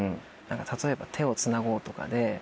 例えば『手をつなごう』とかで。